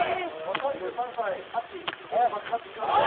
３３歳秋、ついに爆発しました。